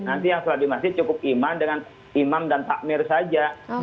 nanti yang sholat di masjid cukup iman dengan imam dan takmir saja